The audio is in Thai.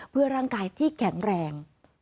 เพื่อร่างกายที่แข็งแรง